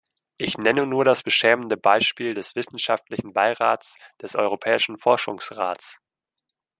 Ich nenne nur das beschämende Beispiel des wissenschaftlichen Beirats des Europäischen Forschungsrats.